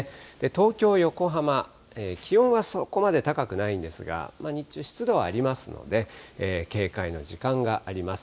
東京、横浜、気温はそこまで高くないんですが、日中、湿度はありますので、警戒の時間があります。